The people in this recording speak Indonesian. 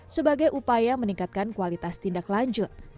sebagai upaya meningkatkan kualitas tindak lanjut